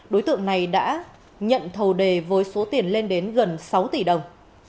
đối tượng này đã nhận thầu đề với số tiền lên đến gần sáu tỷ đồng